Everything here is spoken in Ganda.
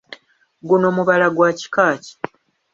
Guno mubala gwa kika ki?